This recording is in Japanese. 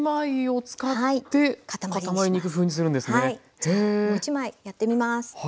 じゃあもう一枚やってみます。